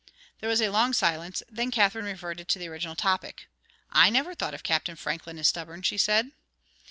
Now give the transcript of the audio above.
There was a long silence, then Katherine reverted to the original topic. "I never thought of Captain Franklin as stubborn," she said.